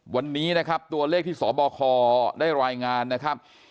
วันนี้นะครับตัวเลขที่สบคได้รายงานนะครับ